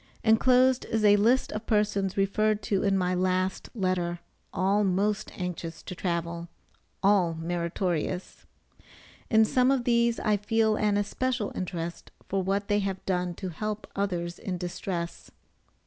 Enclosed is a list of persons referred to in my last letter, all most anxious to travel all meritorious. In some of these I feel an especial interest for what they have done to help others in distress.